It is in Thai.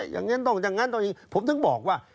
อย่างนั้นต้องอย่างนั้นต้องอย่างนี้ผมถึงบอกว่า